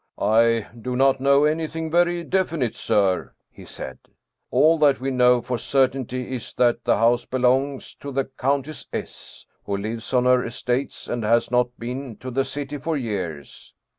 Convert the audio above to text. " I do not know anything very definite, sir," he said. " All that we know for a certainty is that the house belongs to the Countess S., who lives on her estates and has "not been to the city for years.